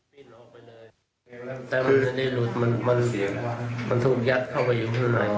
ดินออกไปเลยแต่มันจะได้หลุดมันมันเสียงมันถูกยัดเข้าไปอยู่ข้างใน